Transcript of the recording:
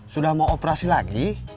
sudah mau operasi lagi